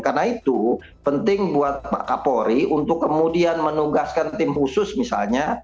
karena itu penting buat pak kapori untuk kemudian menugaskan tim khusus misalnya